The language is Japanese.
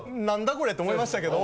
これって思いましたけど。